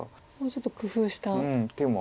ちょっと工夫した手が。